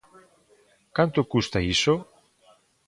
Canto custa iso?